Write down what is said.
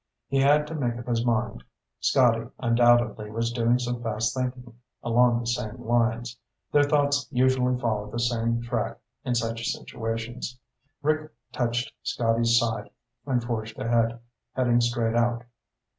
He had to make up his mind. Scotty, undoubtedly, was doing some fast thinking along the same lines. Their thoughts usually followed the same track in such situations. Rick touched Scotty's side and forged ahead, heading straight out.